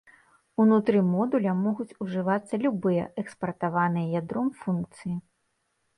Унутры модуля могуць ужывацца любыя экспартаваныя ядром функцыі.